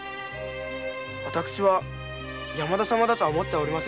私は山田様だとは思っておりません。